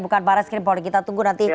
bukan barat skripal kita tunggu nanti